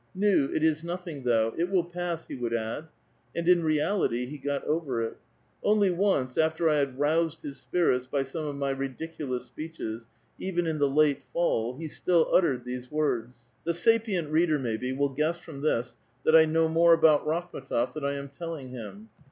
Nu^ it is nothing though ; it '^ill pass," he would add. And in reality he got over it. Onl3' once, after I had roused his spirits by some of my ridicu lous speeches, even in the late fall, he still uttered these ^words. The sapient reader, maybe, will guess from this that I know 3nore about Rakhm^tgf than I am telliug him.